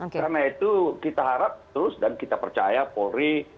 karena itu kita harap terus dan kita percaya polri